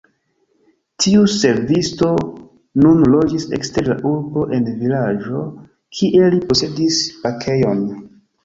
Tiu servisto nun loĝis ekster la urbo en vilaĝo, kie li posedis bakejon.